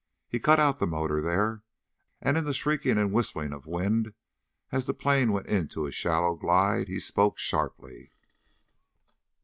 He cut out the motor, there, and in the shrieking and whistling of wind as the plane went into a shallow glide, he spoke sharply.